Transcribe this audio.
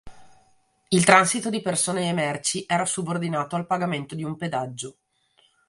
Il transito di persone e merci era subordinato al pagamento di un pedaggio.